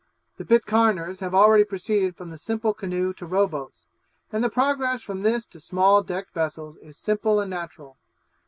The Pitcairners have already proceeded from the simple canoe to row boats, and the progress from this to small decked vessels is simple and natural.